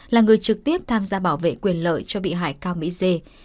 là người trực tiếp tham gia bảo vệ quyền lợi cho bị hại cao mỹ dê